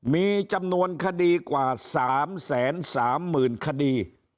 มีจำนวนคดีกว่า๓๓๐๐๐คดี